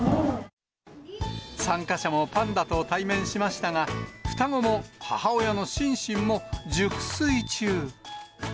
参加者もパンダと対面しましたが、双子も母親のシンシンも熟睡中。